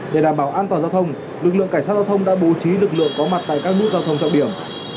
để đảm bảo an toàn giao thông lực lượng cảnh sát giao thông đã bố trí lực lượng có mặt tại các nút giao thông trọng điểm